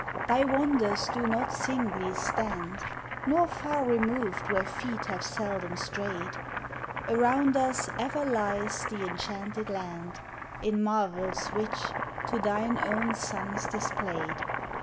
thy wonders do not singly stand, Nor far removed where feet have seldom strayed; Around us ever lies the enchanted land, In marvels rich to thine own sons displayed.